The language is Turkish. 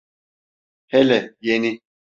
Hele Yeni.